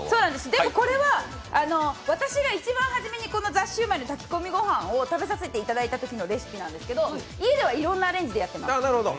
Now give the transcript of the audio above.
でもこれは、私が一番初めにザ★シュウマイの炊き込み御飯を食べさせていただいたときのレシピなんですけど、家では、いろいろなアレンジでやってます。